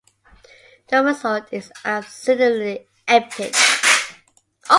The result is absolutely epic.